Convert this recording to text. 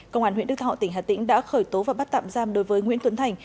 công an huyện đức thọ tỉnh hà tĩnh đã khởi tố và bắt tạm giam đối với nguyễn tuấn thành